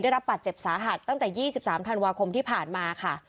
ได้รับปัดเจ็บสาหัสตั้งแต่ยี่สิบสามธันวาคมที่ผ่านมาค่ะ